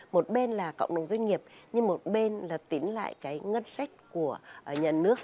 một bên là cộng đồng doanh nghiệp nhưng một bên là tính lại cái ngân sách của nhà nước